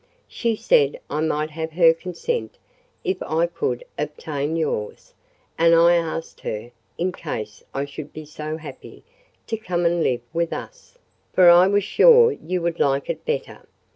"She said I might have her consent, if I could obtain yours; and I asked her, in case I should be so happy, to come and live with us—for I was sure you would like it better.